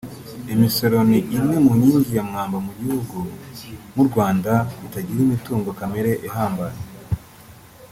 Imisoro ni imwe mu nkingi ya mwamba mu gihugu nk’u Rwanda kitagira imitungo kamere ihambaye